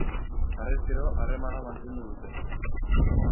Harrezkero, harremana mantendu dute.